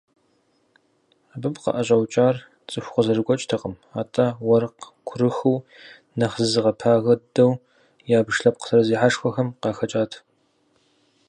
Абы къыӀэщӀэукӀар цӀыху къызэрыгуэкӀтэкъым, атӀэ уэркъ курыхыу, нэхъ зызыгъэпагэ дыдэу ябж лъэпкъ лъэрызехьэшхуэхэм къыхэкӀат.